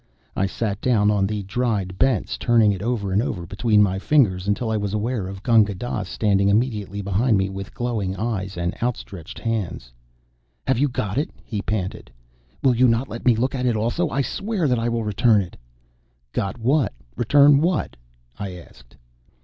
I sat down on the dried bents turning it over and over between my fingers, until I was aware of Gunga Dass standing immediately behind me with glowing eyes and outstretched hands. "Have you got it?" he panted. "Will you not let me look at it also? I swear that I will return it." "Got what? Return what?" asked.